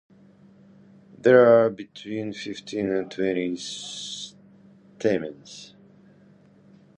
There are between fifteen and twenty stamens.